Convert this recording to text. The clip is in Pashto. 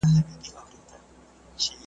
تخت سفر به انارګل او نارنج ګل ته یوسو ,